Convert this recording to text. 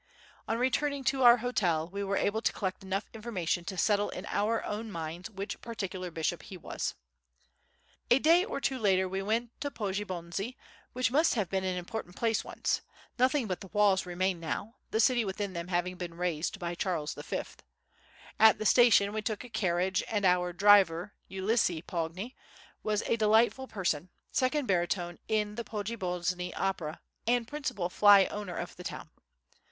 On returning to our hotel we were able to collect enough information to settle in our own minds which particular bishop he was. A day or two later we went to Poggibonsi, which must have been an important place once; nothing but the walls remain now, the city within them having been razed by Charles V. At the station we took a carriage, and our driver, Ulisse Pogni, was a delightful person, second baritone at the Poggibonsi Opera and principal fly owner of the town.